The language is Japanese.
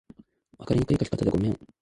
分かりにくい書き方でごめん